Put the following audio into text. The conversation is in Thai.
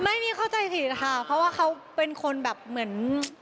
ไม่มีเข้าใจผิดค่ะเพราะว่าเขาเป็นคนแบบเหมือน